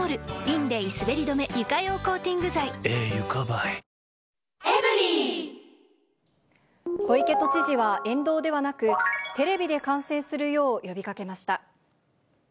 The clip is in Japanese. いつもなら半そでですけど、小池都知事は、沿道ではなく、テレビで観戦するよう呼びかけました。